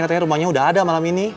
katanya rumahnya udah ada malam ini